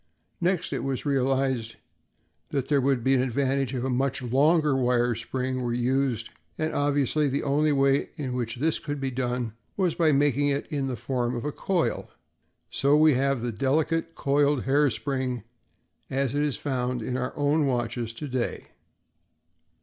Next, it was realized that there would be an advantage if a much longer spring were used, and obviously the only way in which this could be done was by making it in the form of a coil, and so we have the delicate, coiled hair spring, as it is found in our own watches to day.